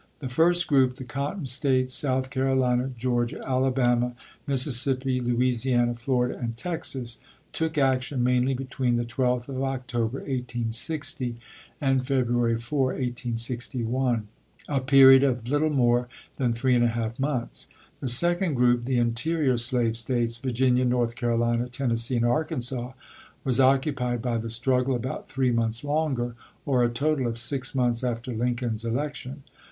The first group, the Cotton States, South Carolina, Georgia, Alabama, Mississippi, Louisiana, Florida, and Texas, took action mainly between the 12th of October, 1860, and February 4, 1861, a period of a little more than three and a haK months. The second group, the interior slave States, Virginia, North Carolina, Tennessee, and Arkansas, was occupied by the struggle about 252 ABRAHAM LINCOLN Chap. XIII. three months longer, or a total of six months after Lincoln's election.